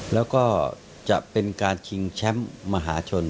แล้วก็จะเป็นการชิงแชมป์มหาชน